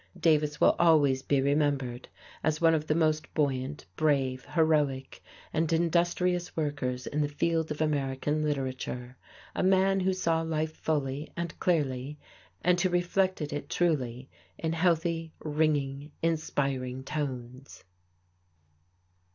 Davis will always be remembered as one of the most buoyant, brave, heroic and industrious workers in the field of American literature, a man who saw life fully and clearly, and who reflected it truly, in healthy, ringing, inspiring tones.